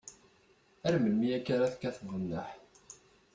Ar melmi akka ara tekkateḍ nneḥ?